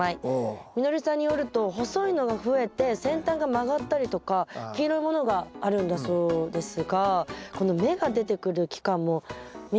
みのりさんによると細いのが増えて先端が曲がったりとか黄色いものがあるんだそうですがこの芽が出てくる期間も短かったそうなんですよ。